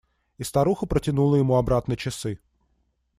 И старуха протянула ему обратно часы.